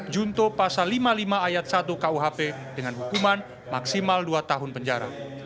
junto pasal lima puluh lima ayat satu kuhp dengan hukuman maksimal dua tahun penjara